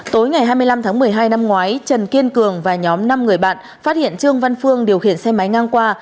tối ngày hai mươi năm tháng một mươi hai năm ngoái trần kiên cường và nhóm năm người bạn phát hiện trương văn phương điều khiển xe máy ngang qua